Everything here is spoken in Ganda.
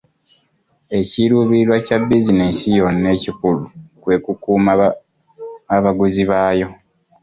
Ekiruubirirwa kya bizinensi yonna ekikulu kwe kukuuma abaguzi baayo.